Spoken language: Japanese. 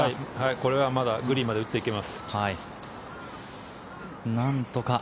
これはまだグリーンまで打っていけます。